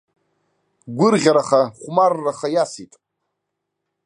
Гәырӷьараха, хәмарраха иасит.